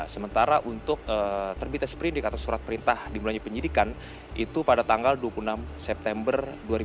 sementara untuk terbitnya seperindik atau surat perintah dimulainya penyidikan itu pada tanggal dua puluh enam september dua ribu dua puluh